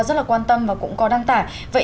rất là quan tâm và cũng có đăng tải vậy